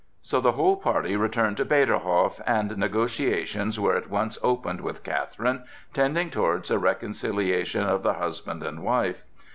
So the whole party returned to Peterhof, and negotiations were at once opened with Catherine tending towards a reconciliation of the husband and wife.